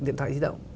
điện thoại di động